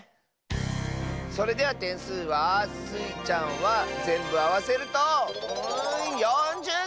それではてんすうはスイちゃんはぜんぶあわせると４０てん！